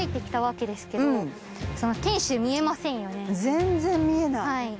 全然見えない。